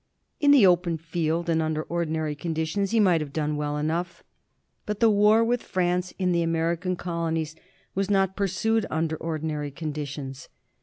In the open field and under ordinary conditions he might have done well enough, but the war with France in the American colonies was not pursued under ordinary condi tions.